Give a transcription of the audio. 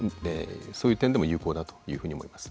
そういう点でも有効だというふうに思います。